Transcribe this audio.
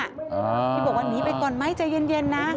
ที่บอกว่าหนีไปก่อนไหมใจเย็นนะ